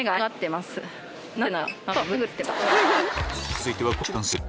続いてはこちらの結構。